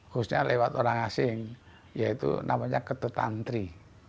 khususnya lewat orang asing yaitu namanya ketetantri